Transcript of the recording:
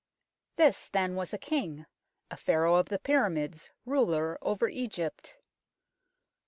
This then was a king, a Pharaoh of the Pyramids, ruler over Egypt.